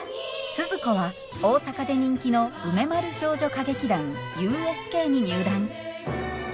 スズ子は大阪で人気の梅丸少女歌劇団ＵＳＫに入団。